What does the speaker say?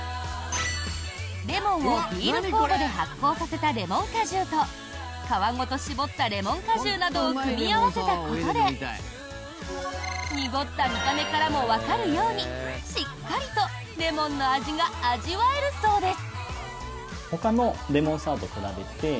レモンをビール酵母で発酵させたレモン果汁と皮ごと搾ったレモン果汁などを組み合わせたことで濁った見た目からもわかるようにしっかりとレモンの味が味わえるそうです。